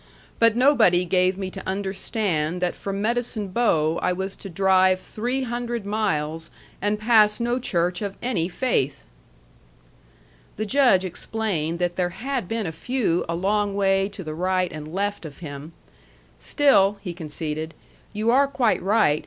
But nobody gave me to understand that from Medicine Bow I was to drive three hundred miles and pass no church of any faith." The Judge explained that there had been a few a long way to the right and left of him. "Still," he conceded, "you are quite right.